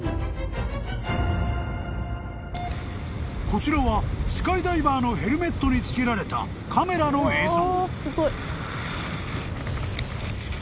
［こちらはスカイダイバーのヘルメットにつけられたカメラの映像］